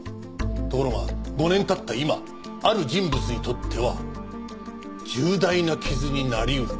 ところが５年経った今ある人物にとっては重大な傷になり得る。